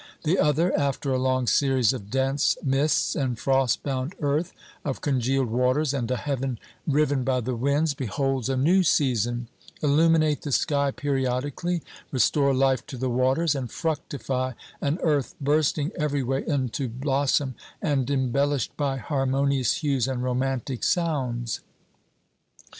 The other, after a long series of dense mists and frost bound earth, of con gealed waters and a heaven riven by the winds, beholds a new season illuminate the sky periodically, restore life to the waters, and fructify an earth bursting everywhere into blossom and embellished by harmonious hues and romantic sounds.